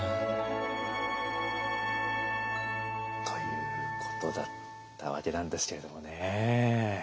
ということだったわけなんですけれどもね。